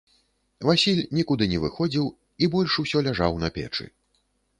Васіль нікуды не выходзіў і больш усё ляжаў на печы.